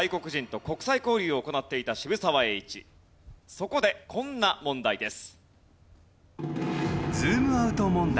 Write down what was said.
そこでこんな問題です。